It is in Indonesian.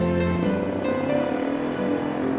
ya kita ke sekolah